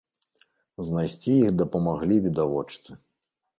Знайсці іх дапамаглі відавочцы.